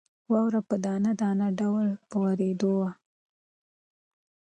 واوره په دانه دانه ډول په وورېدو وه.